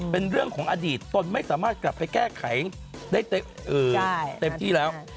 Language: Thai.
เป็นเรื่องของอดีตตนไม่สามารถกลับไปแก้ไขได้เต็มที่แล้ว